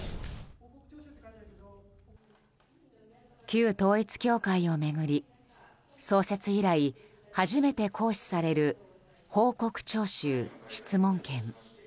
旧統一教会を巡り創設以来初めて行使される報告徴収・質問権。